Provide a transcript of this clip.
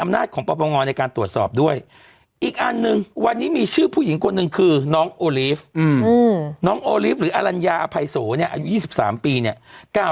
มันน่าเสียดายตรงที่ว่า